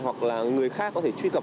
hoặc là người khác có thể truy cập